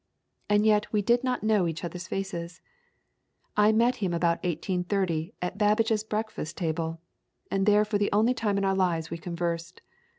And yet we did not know each other's faces. I met him about 1830 at Babbage's breakfast table, and there for the only time in our lives we conversed.